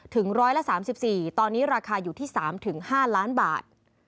ถึงร้อยละ๓๔ตอนนี้ราคาอยู่ที่๓๕ล้านบาท